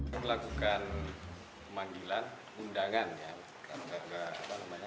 melakukan pemanggilan undangan ya